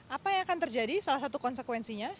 apa yang akan terjadi salah satu konsekuensinya